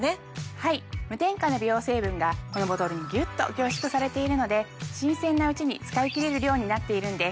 はい無添加の美容成分がこのボトルにギュッと凝縮されているので新鮮なうちに使い切れる量になっているんです。